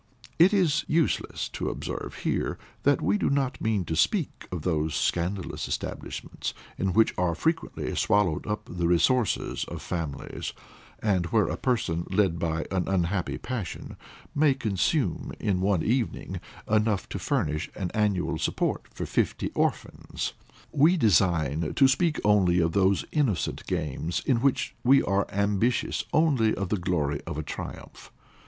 It is useless to observe here that we do not mean to speak of those scandalous establishments in which are frequently swallowed up the resources of families, and where a person, led by an unhappy passion, may consume in one evening, enough to furnish an annual support for fifty orphans; we design to speak only of those innocent games, in which we are ambitious only of the glory of a triumph.